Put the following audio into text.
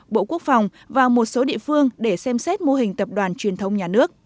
bộ quốc phòng và một số địa phương để xem xét mô hình tập đoàn truyền thông nhà nước